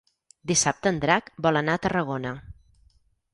Dissabte en Drac vol anar a Tarragona.